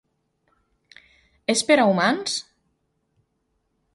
És per a humans?